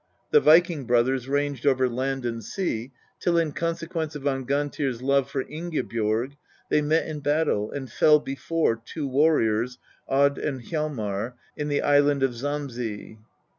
The viking brothers ranged over land and sea, till in consequence of Angantyr's love for Ingibjorg they met in battle, and fell before, two warriors, Odd and Hjalmar, in the island of Samsey.